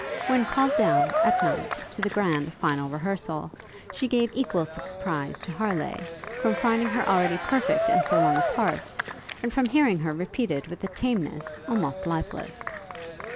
When called down, at night, to the grand final rehearsal, she gave equal surprise to Harleigh, from finding her already perfect in so long a part, and from hearing her repeat it with a tameness almost lifeless.